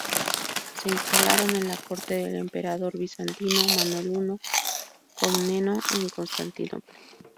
Se instalaron en la corte del emperador bizantino Manuel I Comneno en Constantinopla.